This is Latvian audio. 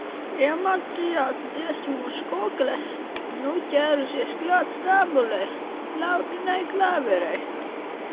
Iemācījās dziesmu uz kokles, nu ķērusies klāt stabulei, flautiņai un klavierēm.